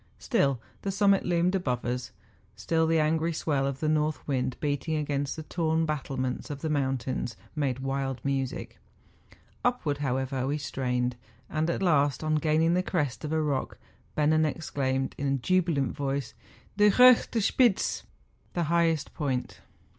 Still the summit loomed above us ; still the angry swell of the north wind beating against the torn battlements of the mountains, made wild music. Upward, however, we strained; and at last, on gaining the crest of a rock, Bennen ex¬ claimed, in a jubilant voice, 'Die hochste Spitze !^— the highest point.